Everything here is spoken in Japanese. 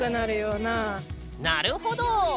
なるほど。